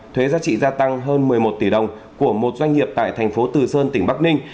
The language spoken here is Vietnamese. thuế giá trị gia tăng hơn một mươi một tỷ đồng của một doanh nghiệp tại thành phố từ sơn tỉnh bắc ninh